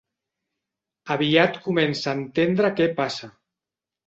Aviat comença a entendre què passa.